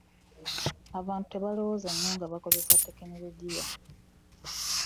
abantu tebalowooza nnyo nga bakozesa tekinologiya.